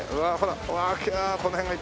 うわあほら